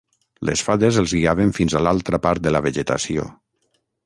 Les fades els guiaven fins a l’altra part de la vegetació.